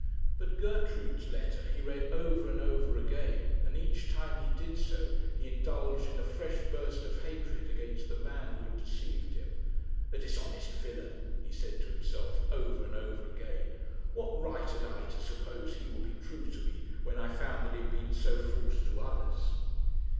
But Gertrude's letter he read over and over again, and each time he did so he indulged in a fresh burst of hatred against the man who had deceived him. 'A dishonest villain!' he said to himself over and over again; 'what right had I to suppose he would be true to me when I found that he had been so false to others?'